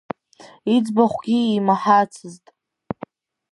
Иӡбахәгьы имаҳацызт.